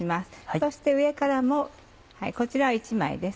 そして上からもこちらは１枚です。